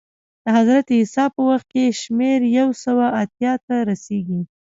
د حضرت عیسی په وخت کې شمېر یو سوه اتیا ته رسېږي